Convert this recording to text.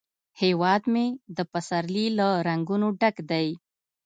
هیواد مې د پسرلي له رنګونو ډک دی